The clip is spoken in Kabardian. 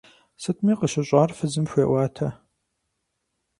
Сытми къыщыщӀар фызым хуеӀуатэ.